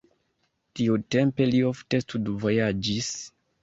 Tiutempe li ofte studvojaĝis.